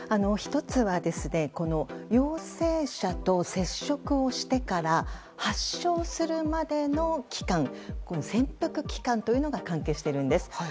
１つは陽性者と接触をしてから発症するまでの期間潜伏期間というのが関係しているんです。